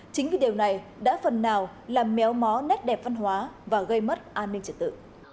chính vì điều này đã phần nào làm méo mó nét đẹp văn hóa và gây mất an ninh trật tự